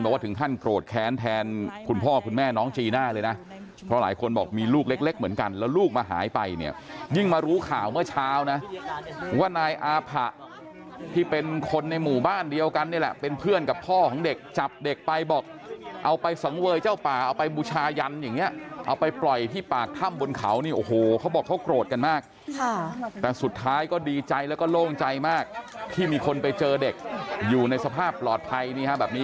ว่าหายไปเนี่ยยิ่งมารู้ข่าวเมื่อเช้านะว่านายอาผะที่เป็นคนในหมู่บ้านเดียวกันเนี่ยแหละเป็นเพื่อนกับพ่อของเด็กจับเด็กไปบอกเอาไปสังเวยเจ้าป่าเอาไปบุชายันอย่างเงี้ยเอาไปปล่อยที่ปากถ้ำบนเขาเนี่ยโอ้โหเขาบอกเขากรวดกันมากแต่สุดท้ายก็ดีใจแล้วก็โล่งใจมากที่มีคนไปเจอเด็กอยู่ในสภาพปลอดภัยนี้